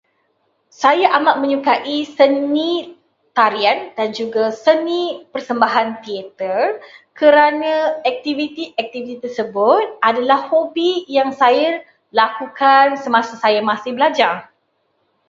Saya amat menyukai seni tarian dan juga seni persembahan teater kerana aktiviti-aktiviti tersebut adalah aktiviti yang saya lakukan semasa saya masih belajar.